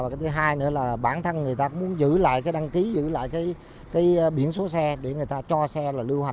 cái thứ hai nữa là bản thân người ta cũng muốn giữ lại cái đăng ký giữ lại cái biển số xe để người ta cho xe là lưu hành